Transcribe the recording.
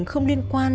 không liên quan